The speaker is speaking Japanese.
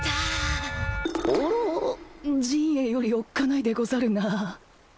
おろ刃衛よりおっかないでござるな